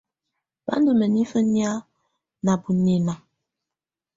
Bá ndɔ́ mǝ́nifǝ́ nyáa na bɔnyɛ́na.